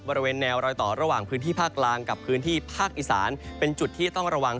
บริเวณแนวรอยต่อระหว่างพื้นที่ภาคกลางกับพื้นที่ภาคอีสานเป็นจุดที่ต้องระวัง